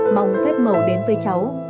mong phép mầu đến với cháu